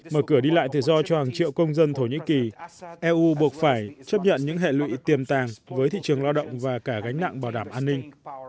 mở cửa đi lại tự do cho hàng triệu công dân thổ nhĩ kỳ eu buộc phải chấp nhận những hệ lụy tiềm tàng với thị trường lao động và cả gánh nặng bảo đảm an ninh